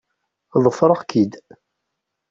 Ḍefreɣ-k-id.